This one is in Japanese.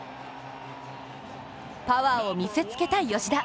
パワーを見せつけた吉田。